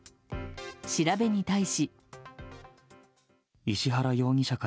調べに対し。